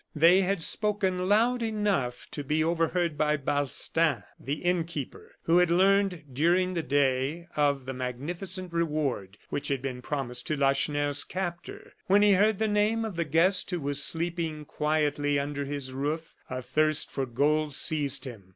They had spoken loud enough to be overheard by Balstain, the innkeeper, who had learned, during the day, of the magnificent reward which had been promised to Lacheneur's captor. When he heard the name of the guest who was sleeping quietly under his roof, a thirst for gold seized him.